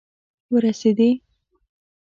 ورسیدي